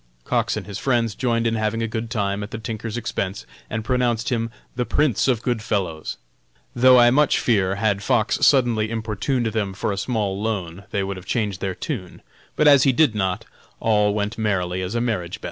Cox and his friends joined in having a good time at the tinker's expense, and pronounced him the "prince of good fellows;" though I much fear, had Fox suddenly importuned them for a small loan, they would have changed their tune; but as he did not, "all went merry as a marriage bell."